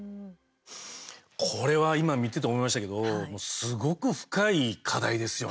これは今、見てて思いましたけどすごく深い課題ですよね。